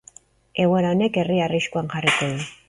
Egoera honek, herria arriskuan jarriko du.